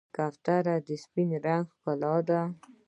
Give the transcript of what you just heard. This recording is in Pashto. کوتره د سپین رنګ ښکلا ده.